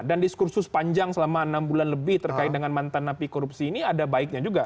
dan diskursus panjang selama enam bulan lebih terkait dengan mantan napi korupsi ini ada baiknya juga